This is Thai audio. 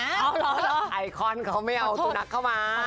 เอาเหรอไอคอนเขาไม่เอาสุนัขเข้ามา